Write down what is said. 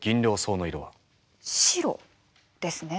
白ですね。